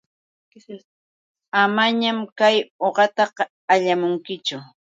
Amañam kay uqata allamunkichu.